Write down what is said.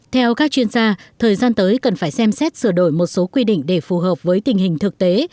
theo các chuyên gia thời gian tới cần phải xem xét sửa đổi một số quy định để phù hợp với tình hình thực tế